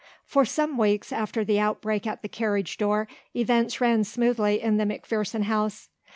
For some weeks after the outbreak at the carriage door events ran smoothly in the McPherson house.